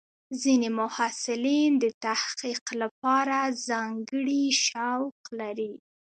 ځینې محصلین د تحقیق لپاره ځانګړي شوق لري.